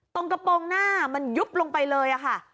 กระโปรงหน้ามันยุบลงไปเลยค่ะ